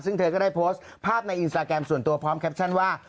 ซึ่งเธอก็ได้โพสต์ภาพในอินสตาแกรมส่วนตัวพร้อมแคปชั่นว่า